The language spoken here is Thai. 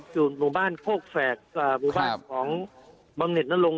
อยู่หมู่บ้านโภอกแฝกอ่าหมู่บ้านของบังเซศน์นระโลง